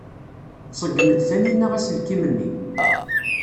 Tṣeggem-d Taninna aselkim-nni?